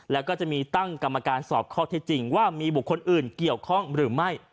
แล้วก็จะมีตั้งกรรมการสอบข้อที่จริงว่ามีบุคคลอื่นเกี่ยวข้องหรือไม่